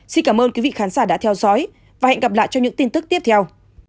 xin cảm ơn quý vị khán giả đã theo dõi và hẹn gặp lại trong những tin tức tiếp theo